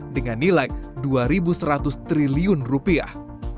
dengan nilai dua seratus triliun rupiah